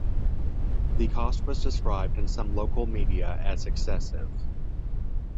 The cost was described in some local media as excessive.